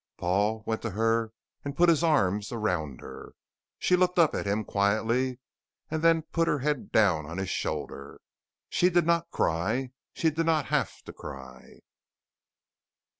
Paul went to her and put his arms around her. She looked up at him quietly and then put her head down on his shoulder. She did not cry. She did not have to cry.